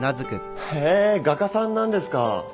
へぇ画家さんなんですか。